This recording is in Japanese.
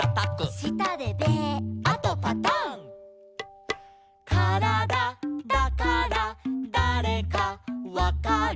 「したでベー」「あとパタン」「からだだからだれかわかる」